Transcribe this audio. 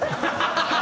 ハハハハ！